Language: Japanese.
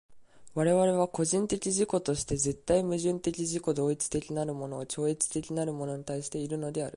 我々は個人的自己として絶対矛盾的自己同一的なるもの超越的なるものに対しているのである。